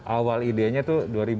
awal ideannya itu dua ribu tujuh belas